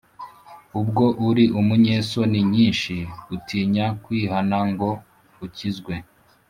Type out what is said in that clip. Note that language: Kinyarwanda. Ubwo uri umunyesoni nyinshi, Utinya kwihana ngo ukizwe